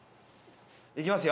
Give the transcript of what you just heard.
いきますよ。